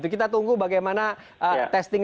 kita tunggu bagaimana testing